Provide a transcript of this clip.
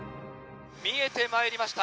見えてまいりました。